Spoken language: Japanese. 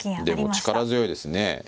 でも力強いですね